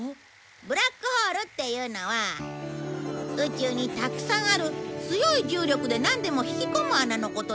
ブラックホールっていうのは宇宙にたくさんある強い重力でなんでも引き込む穴のことだよ。